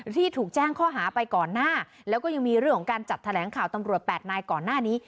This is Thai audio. ที่ถูกแจ้งข้อหาไปก่อนหน้าแล้วก็ยังมีเรื่องของการจัดแถลงข่าวตำรวจแปดนายก่อนหน้านี้